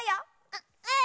ううん！